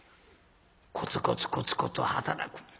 コツコツコツコツ働く。